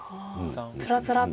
つらつらっと。